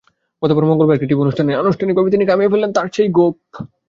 গতকাল মঙ্গলবার একটি টিভি অনুষ্ঠানে আনুষ্ঠানিকভাবে তিনি কামিয়ে ফেললেন তাঁর সেই গোঁফ।